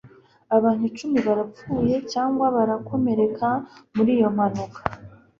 abantu icumi barapfuye cyangwa barakomereka muri iyo mpanuka